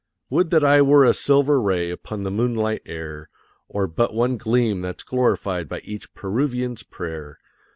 Would that I were a silver ray upon the moonlit air, Or but one gleam that's glorified by each Peruvian's prayer!